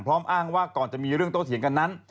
อ้างว่าก่อนจะมีเรื่องโตเถียงกันนั้น